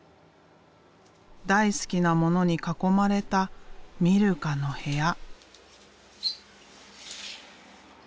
大好きなものに囲まれたミルカの部屋。